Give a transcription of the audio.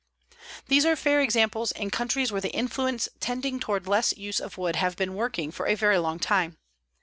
These are fair examples in countries where the influence tending toward less use of wood have been working for a very long time.